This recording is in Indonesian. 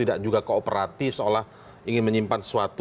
tidak juga kooperatif seolah ingin menyimpan suatu